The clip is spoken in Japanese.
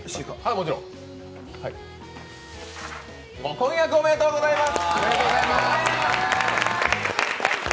婚約おめでとうございます！